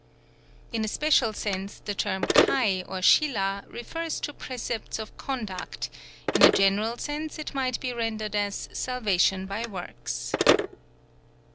In a special sense the term kai, or sîla, refers to precepts of conduct; in a general sense it might be rendered as "salvation by works."